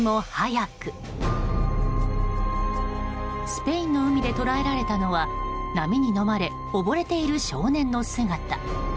スペインの海で捉えられたのは波にのまれ溺れている少年の姿。